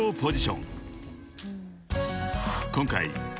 ［今回］